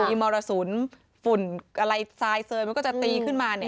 อิมรสุนฝุ่นอะไรซายเซิร์นมันก็จะตีขึ้นมา